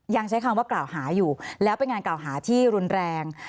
ยังใช้คำว่ากล่าวหาอยู่แล้วเป็นการกล่าวหาที่รุนแรง